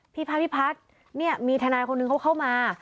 พี่พัทเนี่ยมีธนายคนหนึ่งเข้ามา